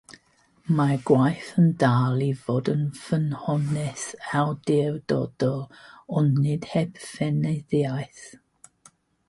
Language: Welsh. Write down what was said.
Mae'r gwaith yn dal i fod yn ffynhonnell awdurdodol, ond nid heb feirniadaeth.